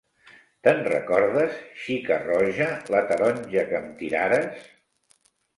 Te’n recordes, xica roja la taronja que em tirares?